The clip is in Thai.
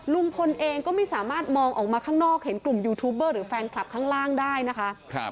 ลุงพลเองก็ไม่สามารถมองออกมาข้างนอกเห็นกลุ่มยูทูบเบอร์หรือแฟนคลับข้างล่างได้นะคะ